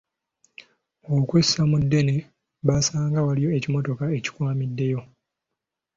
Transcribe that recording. Okwessa mu ddene baasanga waliwo ekimotoka ekikwamyemu.